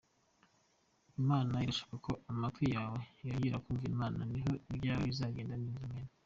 Imana irashaka ko amatwi yawe yongera kumva Imana niho ibyawe bizagenda neza, Amen.